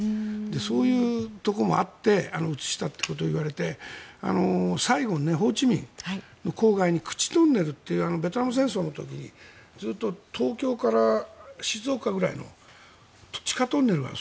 そういうところもあって移したということを言われてサイゴン、ホーチミンの郊外にクチトンネルというベトナム戦争の時東京から静岡ぐらいの地下トンネルがある。